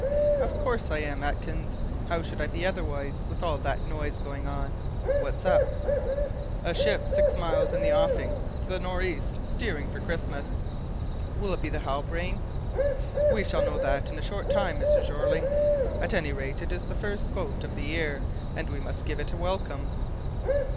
"Of course I am, Atkins. How should I be otherwise, with all that noise going on? What's up?" "A ship six miles out in the offing, to the nor'east, steering for Christmas!" "Will it be the Halbrane?" "We shall know that in a short time, Mr. Jeorling. At any rate it is the first boat of the year, and we must give it a welcome."